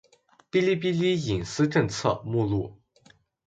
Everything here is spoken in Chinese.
《哔哩哔哩隐私政策》目录